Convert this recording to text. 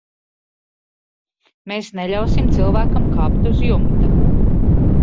Mēs neļausim cilvēkam kāpt uz jumta.